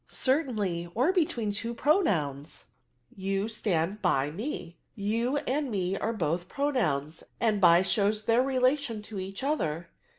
'* Certainly, or between two pronouns— you stand hy me. You and me are both pronouns, and hy shows their relation to each other."